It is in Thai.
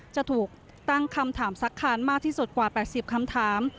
จะถูกตั้งคำถามสักคานมากที่สุดกว่า๘๐คำถาม